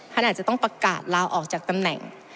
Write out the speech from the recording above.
ท่านอาจจะต้องประกาศลาออกจากตำแหน่ง